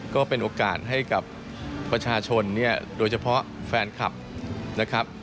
ก็เป็นโอกาสให้กับประชาชนเนี่ยโดยเฉพาะแฟนคลับนะครับ